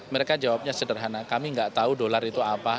mereka jawabnya sederhana kami nggak tahu dolar itu apa